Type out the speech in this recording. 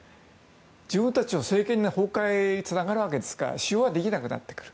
自分たちの政権の崩壊につながるわけですから使用はできなくなってくる。